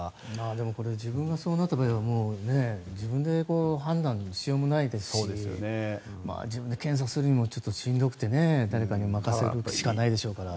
でも、これ自分がそうなった場合は自分で判断しようもないですし自分で検査するにもしんどくて誰かに任せるしかないでしょうから。